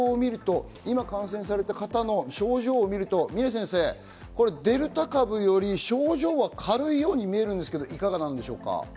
感染された方の症状を見ると、峰先生、デルタ株より症状は軽いように見えるんですけれど、いかがでしょうか。